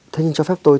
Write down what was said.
thế nhưng cho phép tôi